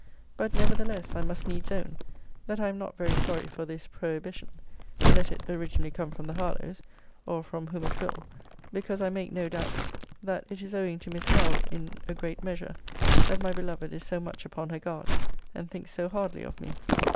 But nevertheless I must needs own, that I am not very sorry for this prohibition, let it originally come from the Harlowes, or from whom it will; because I make no doubt, that it is owing to Miss Howe, in a great measure, that my beloved is so much upon her guard, and thinks so hardly of me.